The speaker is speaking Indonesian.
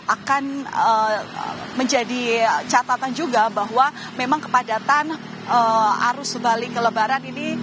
akan menjadi catatan juga bahwa memang kepadatan arus balik lebaran ini